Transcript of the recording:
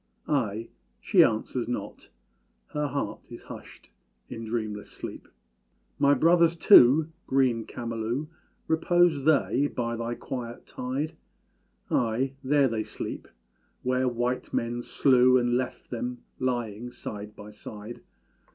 Ay! she answers not Her heart is hushed in dreamless sleep. My brothers too green Camalú, Repose they by thy quiet tide? Ay! there they sleep where white men slew And left them lying side by side.